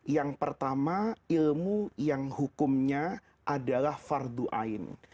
yang pertama ilmu yang hukumnya adalah fardu ain